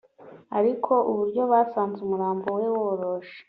ariko uburyo basanze umurambo we woroshe